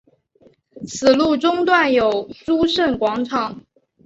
此路中段有诸圣广场。